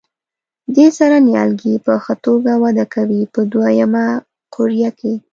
دې سره نیالګي په ښه توګه وده کوي په دوه یمه قوریه کې.